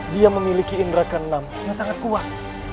dia memiliki indera kenam yang sangat kuat